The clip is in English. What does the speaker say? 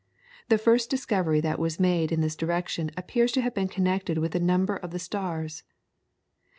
The first discovery that was made in this direction appears to have been connected with the number of the stars.